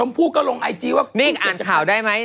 มิอีกอ่านข่าวได้มั้ย